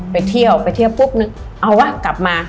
ไปเที่ยวไปเที่ยวปุ๊บนึงเอาวะกลับมา